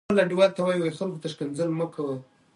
د نظام بدلون باید د قانوني لارو او د ولس په خوښه ترسره شي.